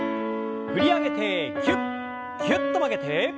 振り上げてぎゅっぎゅっと曲げて。